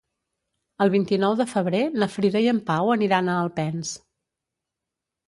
El vint-i-nou de febrer na Frida i en Pau aniran a Alpens.